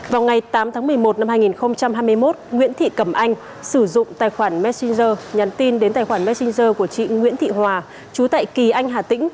vào ngày tám tháng một mươi một năm hai nghìn hai mươi một nguyễn thị cẩm anh sử dụng tài khoản messenger nhắn tin đến tài khoản messenger của chị nguyễn thị hòa chú tại kỳ anh hà tĩnh